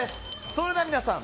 それでは皆さん